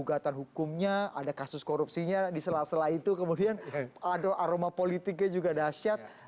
gugatan hukumnya ada kasus korupsinya di sela sela itu kemudian aroma politiknya juga dahsyat